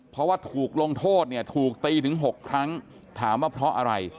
เพราะว่าถูกลงโทษเนี่ยถูกตีถึง๖ครั้งถามว่าเพราะอะไร